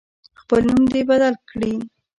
خپل نوم دی بدل کړي.